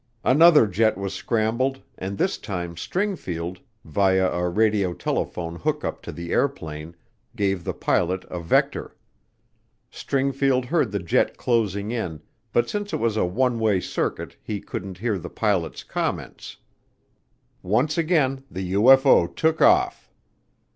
Another jet was scrambled and this time Stringfield, via a radiotelephone hookup to the airplane, gave the pilot a vector. Stringfield heard the jet closing in but since it was a one way circuit he couldn't hear the pilot's comments. Once again the UFO took off.